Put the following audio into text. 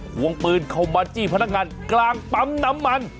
วงปืนเข้ามาจี้พนักงานกลางปั๊มน้ำมัน